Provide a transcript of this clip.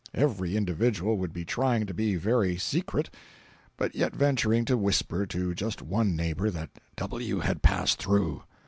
Every individual would be trying to be very secret, but yet venturing to whisper to just one neighbor that W. had passed through.